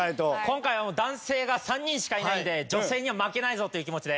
今回男性が３人しかいないので女性には負けないぞという気持ちで。